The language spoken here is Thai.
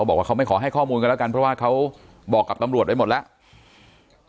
บอกว่าเขาไม่ขอให้ข้อมูลกันแล้วกันเพราะว่าเขาบอกกับตำรวจไว้หมดแล้ว